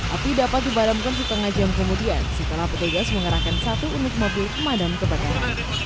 api dapat dibadamkan setengah jam kemudian setelah petugas mengarahkan satu unik mobil kemadam kebakaran